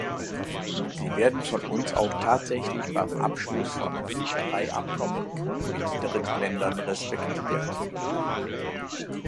Sie werden von uns auch tatsächlich beim Abschluss von Fischereiabkommen mit Drittländern respektiert.